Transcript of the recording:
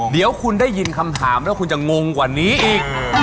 เดี๋ยวคุณได้ยินคำถามแล้วคุณจะงงกว่านี้อีก